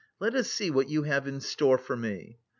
let us see what you have in store for me."